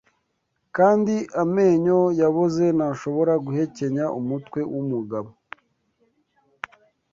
kandi amenyo yaboze ntashobora guhekenya umutwe wumugabo